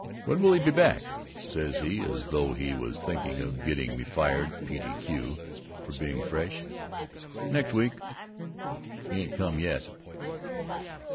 "When will he be back," says he, as though he was thinking of getting me fired p. d. q. for being fresh. "Next week. He ain't come yet."